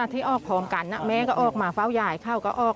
ที่ออกพร้อมกันแม่ก็ออกมาเฝ้ายายเข้าก็ออก